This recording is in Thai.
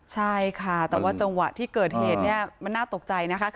ใช่ค่ะแต่ว่าจังหวะที่เกิดเหตุเนี่ยมันน่าตกใจนะคะ